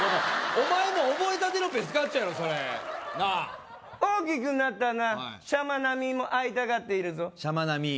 お前も覚えたてのペスカッチョやろそれなあ大きくなったなシャマナミーも会いたがっているぞシャマナミー？